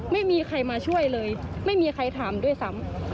ไม่มีใครมาช่วยเลยไม่มีใครถามด้วยซ้ำ